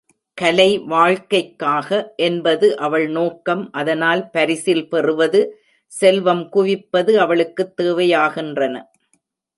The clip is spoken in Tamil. கலை வாழ்க்கைக்காக என்பது அவள் நோக்கம் அதனால் பரிசில் பெறுவது, செல்வம் குவிப்பது அவளுக்குத் தேவையாகின்றன.